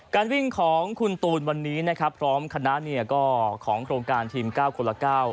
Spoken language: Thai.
การวิ่งของคุณตูนวันนี้นะครับพร้อมคณะเนี่ยก็ของโครงการทีม๙คนละ๙